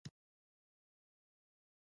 پولي تورم خلک بې وزله کوي.